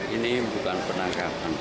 ini bukan penangkapan